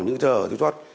những sơ hở thiếu sót